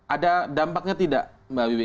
ada dampaknya tidak mbak wiwi